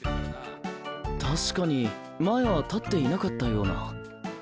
確かに前は立っていなかったような。